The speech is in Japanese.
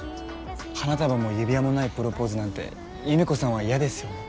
花束も指輪もないプロポーズなんて優芽子さんは嫌ですよね